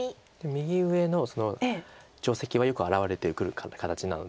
右上の定石はよく現れてくる形なので。